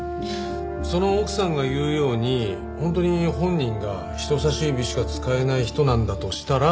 その奥さんが言うように本当に本人が人さし指しか使えない人なんだとしたら。